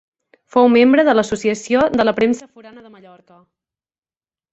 Fou membre de l'Associació de la Premsa Forana de Mallorca.